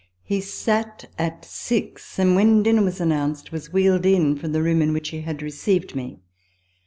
He sat at six ; and when dinner was announced, was wheeled in from the room in which he had received me.